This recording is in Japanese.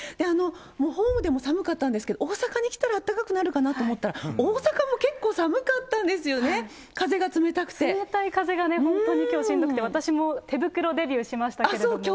ホームでも寒かったんですけど、大阪に来たらあったかくなるかなと思ったら、大阪も結構寒かったんですよね、冷たい風がきょう、本当にしんどくて、私も手袋デビューしましたけれども。